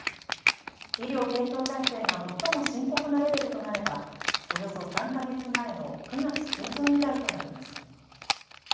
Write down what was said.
医療提供体制が最も深刻なレベルとなれば、およそ３か月前の９月中旬以来となります。